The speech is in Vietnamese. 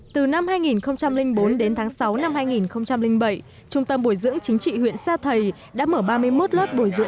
từ năm hai nghìn bốn đến tháng sáu năm hai nghìn bảy trung tâm bồi dưỡng chính trị huyện sa thầy đã mở ba mươi một lớp bồi dưỡng